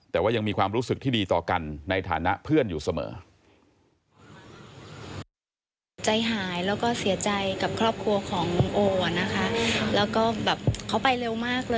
แต่ว่ายังมีความรู้สึกที่ดีต่อกันในฐานะเพื่อนอยู่เสมอ